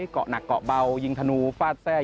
เกาะหนักเกาะเบายิงธนูฟาดแทร่